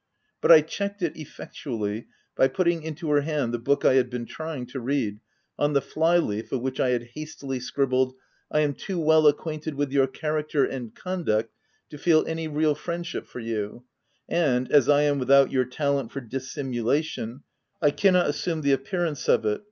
But I checked it, effectually, by putting into her hand the book I had been trying to read, on the fly leaf of which I had hastily scribbled, —" I am too well acquainted with your cha racter and conduct to feel any real friendship for you, and, as I am without your talent for dissimulation, I cannot assume the appearance 303 THE TENANT of it.